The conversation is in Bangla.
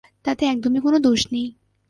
তাতে একদমই কোনো দোষ নেই।